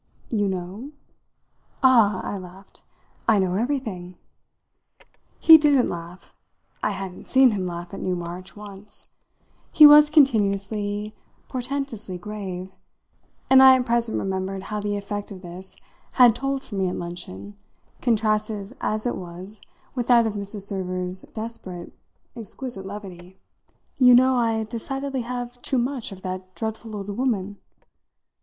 "You 'know'?" "Ah," I laughed, "I know everything!" He didn't laugh; I hadn't seen him laugh, at Newmarch, once; he was continuously, portentously grave, and I at present remembered how the effect of this had told for me at luncheon, contrasted as it was with that of Mrs. Server's desperate, exquisite levity. "You know I decidedly have too much of that dreadful old woman?"